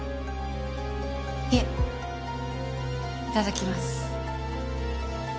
いえいただきます。